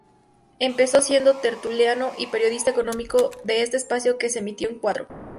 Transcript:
Empezó siendo tertuliano y periodista económico de este espacio, que se emitió en Cuatro.